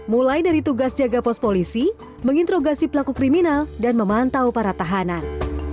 mulai dari tugas jaga pos polisi menginterogasi pelaku kriminal dan memantau para tahanan